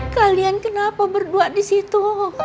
kalian kenapa berdua disitu